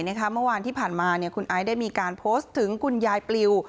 เมื่อวานที่ผ่านมาคุณไอซ์ได้มีการโพสต์ถึงคุณยายปลิว